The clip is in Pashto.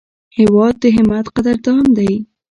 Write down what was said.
هېواد د همت قدردان دی.